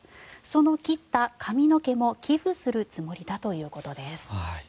その切った髪の毛も寄付するつもりだということです。